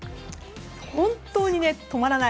本当に止まらない。